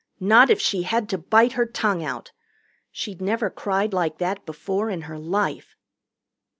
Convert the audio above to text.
Not if she had to bite her tongue out. She'd never cried like that before in her life.